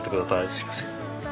すいません。